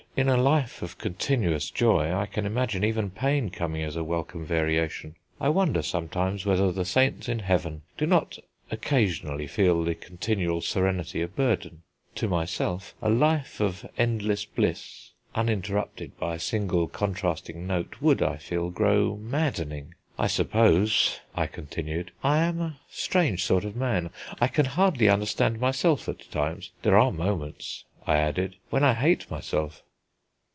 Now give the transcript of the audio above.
"In a life of continuous joy, I can imagine even pain coming as a welcome variation. I wonder sometimes whether the saints in heaven do not occasionally feel the continual serenity a burden. To myself a life of endless bliss, uninterrupted by a single contrasting note, would, I feel, grow maddening. I suppose," I continued, "I am a strange sort of man; I can hardly understand myself at times. There are moments," I added, "when I hate myself."